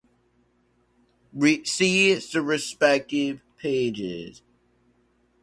See the respective pages.